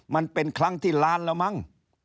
มันเป็นครั้งที่ล้านแล้วมั้ง